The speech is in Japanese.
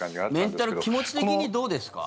メンタル、気持ち的にどうですか？